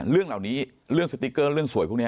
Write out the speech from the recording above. เรื่องเหล่านี้เรื่องสติ๊กเกอร์เรื่องสวยพวกนี้